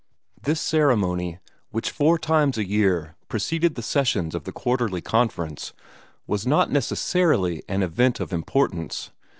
This ceremony, which four times a year preceded the sessions of the Quarterly Conference, was not necessarily an event of importance.